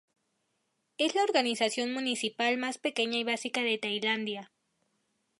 Es la organización municipal más pequeña y básica de Tailandia.